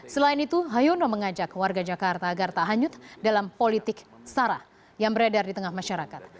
selain itu hayono mengajak warga jakarta agar tak hanyut dalam politik sara yang beredar di tengah masyarakat